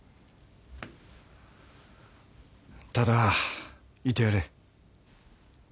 ただいてやれ。